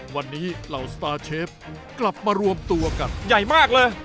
วันนี้เหล่าสตาร์เชฟกลับมารวมตัวกันใหญ่มากเลย